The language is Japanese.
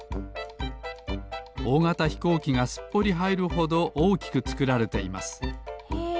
おおがたひこうきがすっぽりはいるほどおおきくつくられていますへえ！